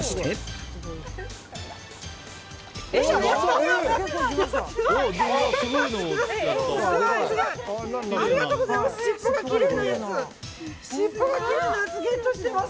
すごい、すごい！ありがとうございます。